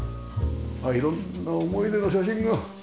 色んな思い出の写真が。